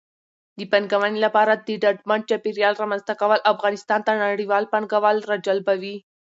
د پانګونې لپاره د ډاډمن چاپېریال رامنځته کول افغانستان ته نړیوال پانګوال راجلبوي.